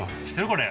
これ。